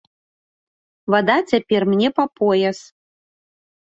Вада цяпер мне па пояс.